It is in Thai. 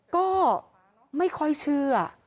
ก็ไม่ค่อยเชื่อ